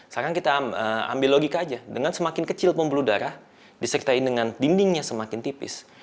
sekarang kita ambil logika aja dengan semakin kecil pembuluh darah disertain dengan dindingnya semakin tipis